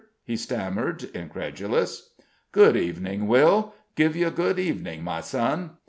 he stammered, incredulous. "Good evening, Will! Give ye good evening, my son!